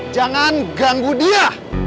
jangan ganggu dia